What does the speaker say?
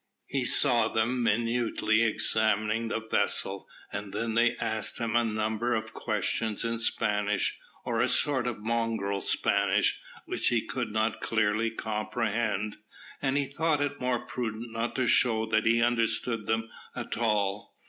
He saw them minutely examining the vessel, and then they asked him a number of questions in Spanish, or a sort of mongrel Spanish, which he could not clearly comprehend, and he thought it more prudent not to show that he understood them at all.